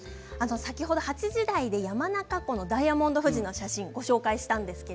先ほど８時台で山中湖のダイヤモンド富士の写真をご紹介しました。